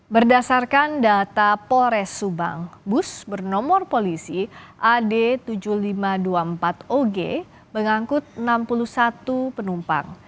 berdasarkan data polres subang bus bernomor polisi ad tujuh ribu lima ratus dua puluh empat og mengangkut enam puluh satu penumpang